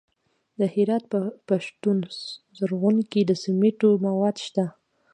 د هرات په پشتون زرغون کې د سمنټو مواد شته.